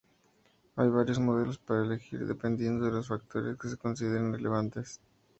Hay varios modelos para elegir, dependiendo de los factores que se consideren relevantes.